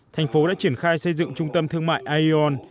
thành phố đã triển khai xây dựng trung tâm thương mại ieon